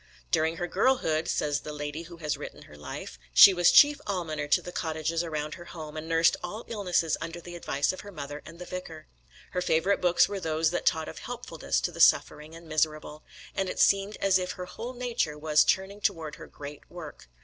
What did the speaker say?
"During her girlhood," says the lady who has written her life, "she was chief almoner to the cottages around her home, and nursed all illnesses under the advice of her mother and the vicar." Her favourite books were those that taught of helpfulness to the suffering and miserable, and it seemed as if her whole nature was turning toward her great work.